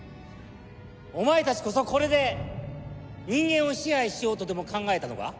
お前達こそこれで人間を支配しようとでも考えたのか？